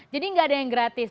jadi enggak ada yang gratis